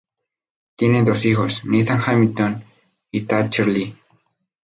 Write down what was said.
Tiene dos hijos, Nathan Hamilton y Thatcher Lee.